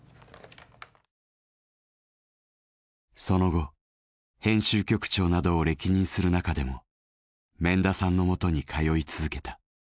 その後編集局長などを歴任する中でも免田さんのもとに通い続けた。